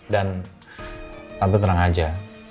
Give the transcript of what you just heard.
dan tante terang aja